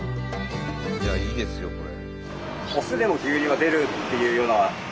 いいですよこれ。